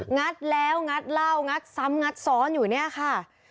งัดแล้วงัดเหล้างัดซ้ำงัดซ้อนอยู่เนี่ยค่ะ